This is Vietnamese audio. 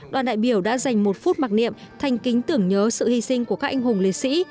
đoàn đại biểu đã dành một phút mặc niệm thành kính tưởng nhớ sự hy sinh của các anh hùng liệt sĩ